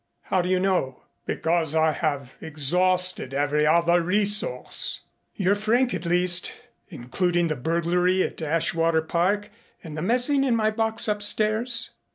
"How do you know?" "Because I have exhausted every other resource." "You're frank at least including the burglary at Ashwater Park and the messing in my box upstairs?"